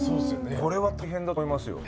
これは大変だと思いますよ。